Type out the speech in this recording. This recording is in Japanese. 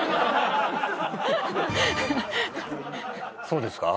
そうですか？